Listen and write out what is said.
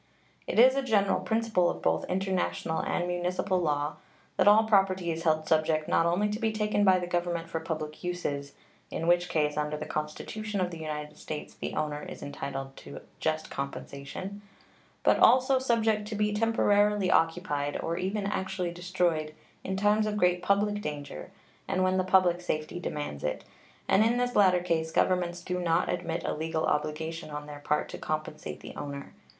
It is a general principle of both international and municipal law that all property is held subject not only to be taken by the Government for public uses, in which case, under the Constitution of the United States, the owner is entitled to just compensation, but also subject to be temporarily occupied, or even actually destroyed, in times of great public danger, and when the public safety demands it; and in this latter case governments do not admit a legal obligation on their part to compensate the owner.